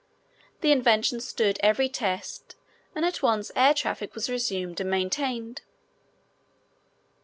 The invention stood every test and at once air traffic was resumed and maintained.